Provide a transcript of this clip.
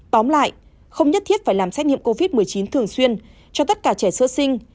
tóm lại không nhất thiết phải làm xét nghiệm covid một mươi chín thường xuyên cho tất cả trẻ sơ sinh